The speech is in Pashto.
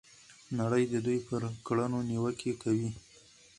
نړۍ د دوی پر کړنو نیوکې کوي.